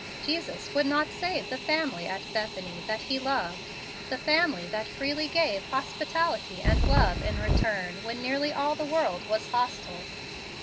Jesus would not save the family at Bethany that He loved, the family that freely gave hospitality and love in return when nearly all the world was hostile.